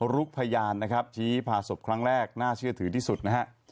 ลุกพยานนะครับชี้ผ่าศพครั้งแรกน่าเชื่อถือที่สุดนะฮะ